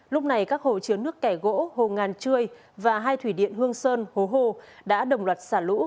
lúc này các hồ chiếu nước kẻ gỗ hồ ngàn chươi và hai thủy điện hương sơn hồ hồ đã đồng loạt xả lũ